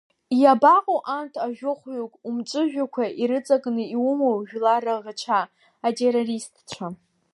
Иабаҟоу анҭ ажәохәҩык умҵәыжәҩақәа ирыҵакны иумоу жәлар раӷацәа, атеррористцәа?